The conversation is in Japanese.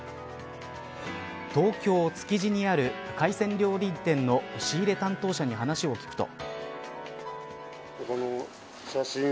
東京、築地にある海鮮料理店の仕入れ担当者に話を聞くと。